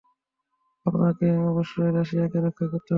আপনাকে অবশ্যই রাশিয়াকে রক্ষা করতে হবে!